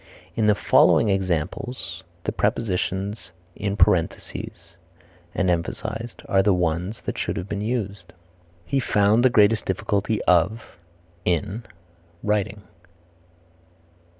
In the following examples the prepositions in parentheses are the ones that should have been used: "He found the greatest difficulty of (in) writing."